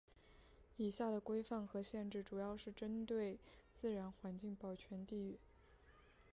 以下的规范和限制主要是针对自然环境保全地域。